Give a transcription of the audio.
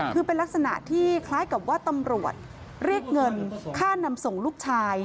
คือเป็นลักษณะที่คล้ายกับว่าตำรวจเรียกเงินค่านำส่งลูกชาย